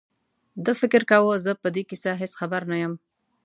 ده فکر کاوه زه په دې کیسه هېڅ خبر نه یم.